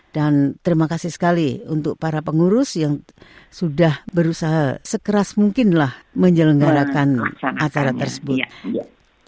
dan terima kasih sekali untuk para pengurus yang sudah berusaha sekeras mungkinlah menyelenggarakan acara tersebut